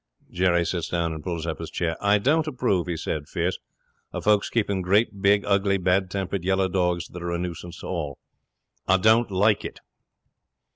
'Jerry sits down and pulls up his chair. "I don't approve," he says, fierce, "of folks keeping great, fat, ugly, bad tempered yellow dogs that are a nuisance to all. I don't like it."